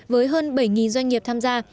với hơn bảy doanh nghiệp tham gia